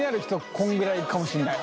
こんぐらいかもしんない。